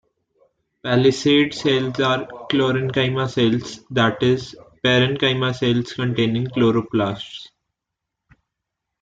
Palisade cells are chlorenchyma cells, that is, parenchyma cells containing chloroplasts.